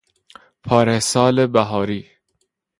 پارهسال بهاری